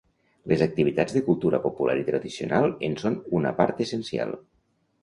Les activitats de cultura popular i tradicional en són una part essencial.